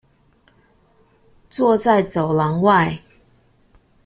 坐在走廊外